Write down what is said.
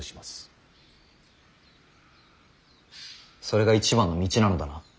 それが一番の道なのだな。